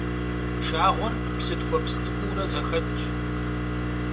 Pşşağuer psı tk'ueps ts'ık'uure zexetş.